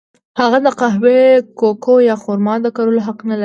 هغه د قهوې، کوکو یا خرما د کرلو حق نه لري.